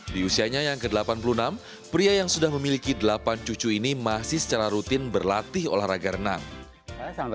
di usianya yang ke delapan puluh enam pria yang sudah memiliki delapan cucu ini masih secara rutin berlatih olahraga renang